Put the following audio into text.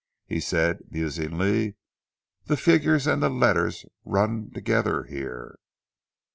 he said musingly, "the figures and the letters run together here."